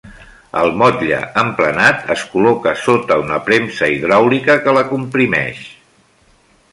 El motlle emplenat es col·loca sota una premsa hidràulica que la comprimeix.